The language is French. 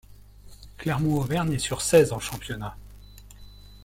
Clermont-Auvergne est sur seize en championnat.